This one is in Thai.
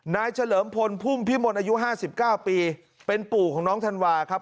นายเฉลิมพลผุ่มพิมพลอายุห้าสิบเก้าปีเป็นผู้ของน้องธันวาครับ